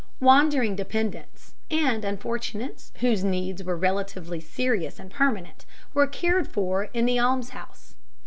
Wandering dependents, and unfortunates whose needs were relatively serious and permanent, were cared for in the almshouse.